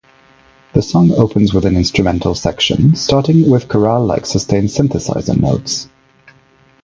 The songs opens with an instrumental section, starting with chorale-like sustained synthesiser notes.